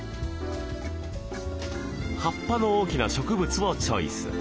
葉っぱの大きな植物をチョイス。